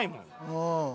うん。